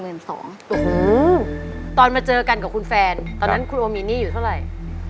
โอ้โหตอนมาเจอกันกับคุณแฟนตอนนั้นครัวมีหนี้อยู่เท่าไหร่